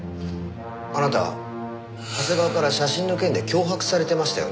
あなた長谷川から写真の件で脅迫されてましたよね？